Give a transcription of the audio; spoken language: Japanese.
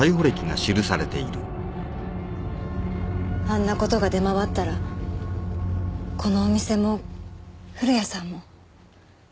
あんな事が出回ったらこのお店も古谷さんも。